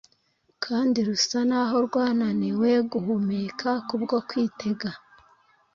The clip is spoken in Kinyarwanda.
kandi rusa naho rwananiwe guhumeka kubwo kwitega